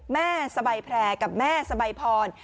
แม่สบายแผลกับแม่สบายพร